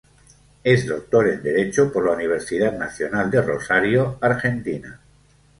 Es Doctor en Derecho por la Universidad Nacional de Rosario, Argentina.